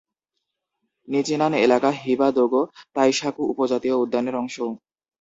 নিচিনান এলাকা হিবা-দোগো-তাইশাকু উপ-জাতীয় উদ্যানের অংশ।